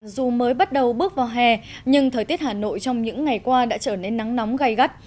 dù mới bắt đầu bước vào hè nhưng thời tiết hà nội trong những ngày qua đã trở nên nắng nóng gây gắt